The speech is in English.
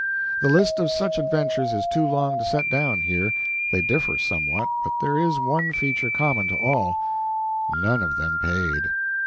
The list of such adventures is too long to set down here. They differ somewhat, but there is one feature common to all none of them paid.